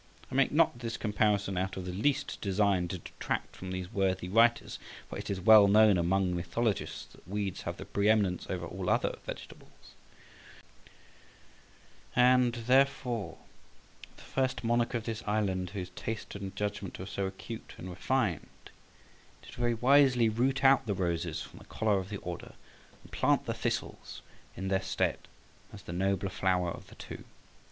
I make not this comparison out of the least design to detract from these worthy writers, for it is well known among mythologists that weeds have the pre eminence over all other vegetables; and therefore the first monarch of this island whose taste and judgment were so acute and refined, did very wisely root out the roses from the collar of the order and plant the thistles in their stead, as the nobler flower of the two.